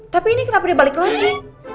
tapi ini kenapa dia balik lagi